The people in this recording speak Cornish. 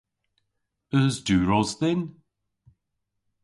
Eus diwros dhyn?